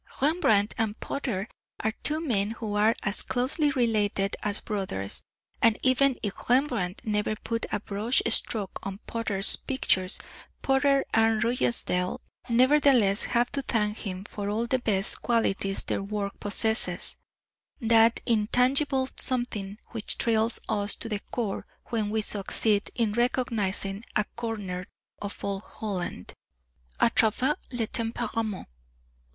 Rembrandt and Potter are two men who are as closely related as brothers, and even if Rembrandt never put a brush stroke on Potter's pictures, Potter and Ruysdael nevertheless have to thank him for all the best qualities their work possesses that intangible something which thrills us to the core when we succeed in recognizing a corner of old Holland _à travers leur tempérament.